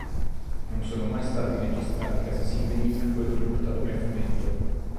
Non sono mai stai registrati casi simili a quello riportato nel fumetto.